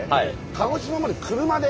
鹿児島まで車で！？